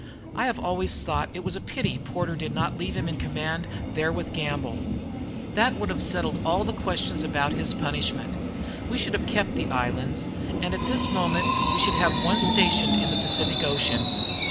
I have always thought it was a pity Porter did not leave him in command there with Gamble. That would have settled all the question about his punishment. We should have kept the islands, and at this moment we should have one station in the Pacific Ocean.